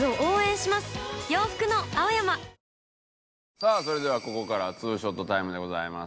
さあそれではここからは２ショットタイムでございます。